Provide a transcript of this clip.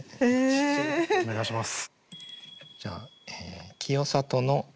お願いします。